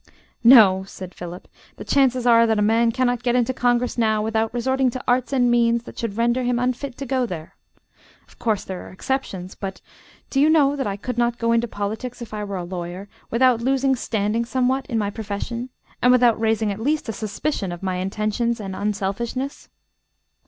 "No," said Philip, "the chances are that a man cannot get into congress now without resorting to arts and means that should render him unfit to go there; of course there are exceptions; but do you know that I could not go into politics if I were a lawyer, without losing standing somewhat in my profession, and without raising at least a suspicion of my intentions and unselfishness?